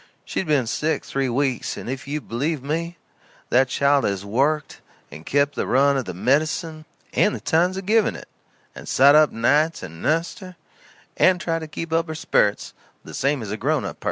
She's ben sick three weeks; and if you believe me that child has worked, and kep' the run of the med'cin, and the times of giving it, and sot up nights and nussed her, and tried to keep up her sperits, the same as a grown up person.